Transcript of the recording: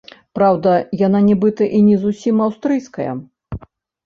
Праўда, яна нібыта і не зусім аўстрыйская.